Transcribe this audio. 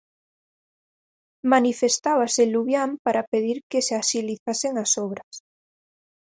Manifestábase en Lubián para pedir que se axilizasen as obras.